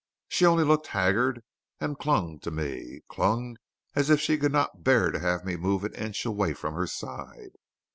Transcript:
She only looked haggard and clung to me; clung as if she could not bear to have me move an inch away from her side."